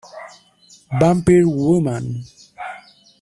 Vampire Woman".